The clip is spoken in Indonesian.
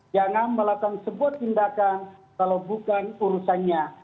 jangan melakukan sebuah tindakan kalau bukan urusannya